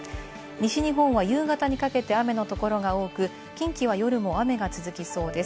西日本は夕方にかけて雨のところが多く、近畿は夜も雨が続きそうです。